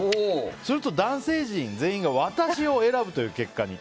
すると、男性陣全員が私を選ぶという結果に。